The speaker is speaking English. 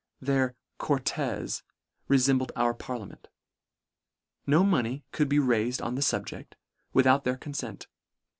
Their Cortes refem bled our parliament. No money could be raifed on the fubjecl, without their confent.